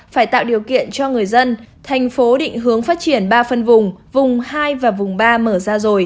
phải tạo điều kiện cho người dân thành phố định hướng phát triển ba phân vùng vùng hai và vùng ba mở ra rồi